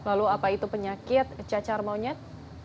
lalu apa itu penyakit cacar monyet